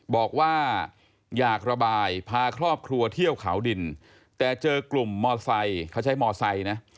บอกว่าอยากระบายพาครอบครัวเที่ยวเขาดินแต่เจอกลุ่มมอไซค์เขาใช้มอไซค์นะ